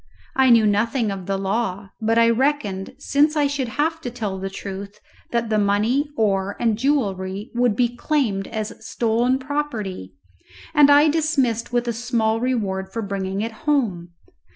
I knew nothing of the law; but I reckoned, since I should have to tell the truth, that the money, ore, and jewellery would be claimed as stolen property, and I dismissed with a small reward for bringing it home.